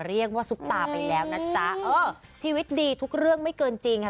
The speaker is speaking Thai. เรียงว่าสุภาไปแล้วนะจ๊ะเอ้อชีวิตดีทุกเรื่องไม่เกินจริงค่ะ